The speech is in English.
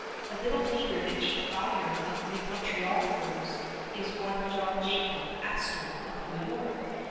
A little later the chief buyer of the Montreal furs is one John Jacob Astor of New York.